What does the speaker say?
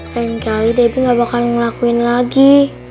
lain kali debi gak bakal ngelakuin lagi